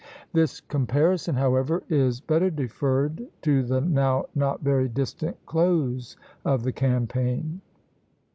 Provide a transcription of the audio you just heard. This comparison, however, is better deferred to the now not very distant close of the campaign.